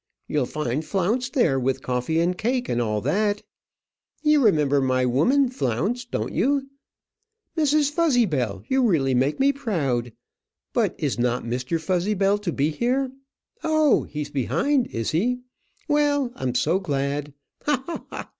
You'll find Flounce there with coffee and cake and all that. You remember my woman, Flounce, don't you? Mrs. Fuzzybell, you really make me proud. But is not Mr. Fuzzybell to be here? Oh, he's behind is he? well I'm so glad. Ha! ha! ha!